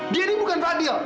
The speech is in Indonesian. dia tuh bukan fadil